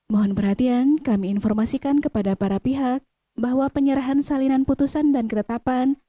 mohon perhatian kami informasikan kepada para pihak bahwa penyerahan salinan putusan dan ketetapan